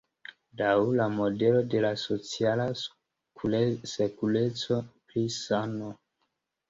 Laŭ la modelo de la "Sociala Sekureco" pri sano.